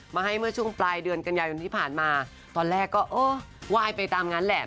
มาให้เมื่อช่วงปลายเดือนกันยายนที่ผ่านมาตอนแรกก็เออไหว้ไปตามนั้นแหละ